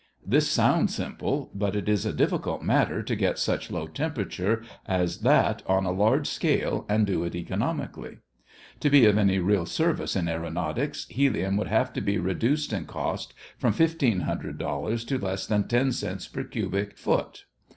This sounds simple, but it is a difficult matter to get such low temperature as that on a large scale and do it economically. To be of any real service in aëronautics helium would have to be reduced in cost from fifteen hundred dollars to less than ten cents per cubic foot.